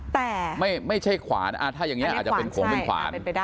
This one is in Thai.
แต่ไม่ใช่ขวานอาถรย์อย่างนี้อาจจะเป็นขวาน